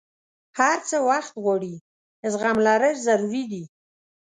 هر څه وخت غواړي، زغم لرل ضروري دي.